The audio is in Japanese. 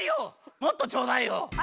もっとちょうだいよおうえん！